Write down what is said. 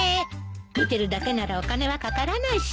見てるだけならお金はかからないし。